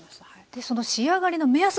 でその仕上がりの目安